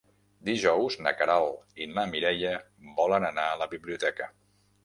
Dijous na Queralt i na Mireia volen anar a la biblioteca.